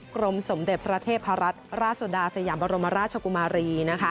กรมสมเด็จพระเทพรัตนราชสุดาสยามบรมราชกุมารี